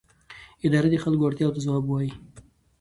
اداره د خلکو اړتیاوو ته ځواب وايي.